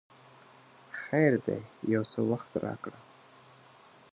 خیر دی یو څه وخت راکړه!